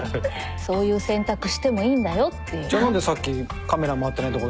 そういう選択してもいいんだよっていう。